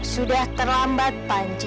sudah terlambat panji